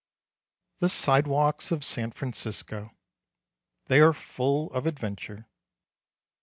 The sidewalks of San Francisco. They are full of adventure.